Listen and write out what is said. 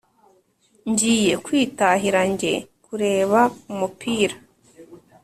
Ngiye kwitahira njye kureba umupira